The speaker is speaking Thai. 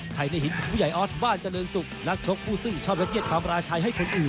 ใครในหินผู้ใหญ่ออดบ้านเจริญสุขนักชกผู้ซื่อชอบเย็นเย็นความราชัยให้คนอื่น